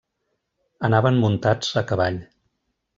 Anaven muntats a cavall.